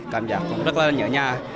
cảm giác cũng rất là nhớ nhà